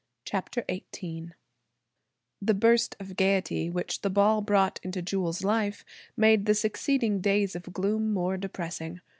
CHAPTER XVIII The burst of gaiety which the ball brought into Jewel's life, made the succeeding days of gloom more depressing.